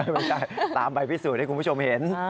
ไม่ใช่ตามใบพิสูจน์ให้คุณผู้ชมเห็น